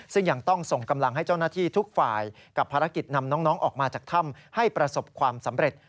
ซึ่งยังต้องส่งกำลังให้เจ้าหน้าที่ทุกฝ่ายกับภารกิจนำน้องออกมาจากถ้ำให้ประสบความสำเร็จ